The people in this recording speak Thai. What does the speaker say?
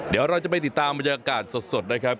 เดี๋ยวเราจะไปติดตามบรรยากาศสดนะครับ